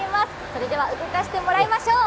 それでは動かしてもらいましょう。